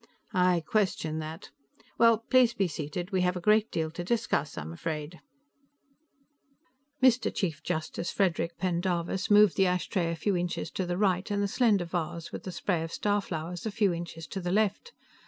"I question that. Well, please be seated. We have a great deal to discuss, I'm afraid." Mr. Chief Justice Frederic Pendarvis moved the ashtray a few inches to the right and the slender vase with the spray of starflowers a few inches to the left.